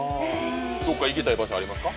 どっか行きたい場所ありますか？